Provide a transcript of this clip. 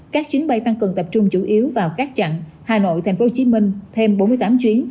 các chuyến bay tăng cường tập trung chủ yếu vào các chặng hà nội tp hcm thêm bốn mươi tám chuyến